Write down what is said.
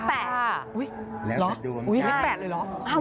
เหรอเลข๘เลยเหรอ